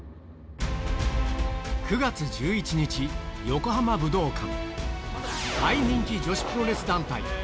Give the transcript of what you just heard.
横浜武道館大人気女子プロレス団体